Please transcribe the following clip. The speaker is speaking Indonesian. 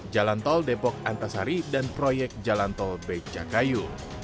jalantol depok antasari dan proyek jalantol becakayu